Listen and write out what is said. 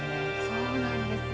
そうなんですね。